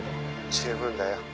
十分だよ。